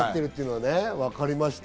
分かりました。